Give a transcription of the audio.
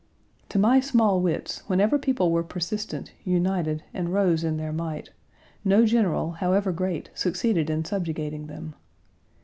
To my small wits, whenever people were persistent, united, and rose in their might, no general, however great, succeeded in subjugating them.